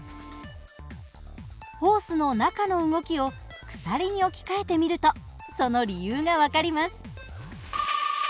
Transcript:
ホースの中の動きを鎖に置き換えてみるとその理由が分かります。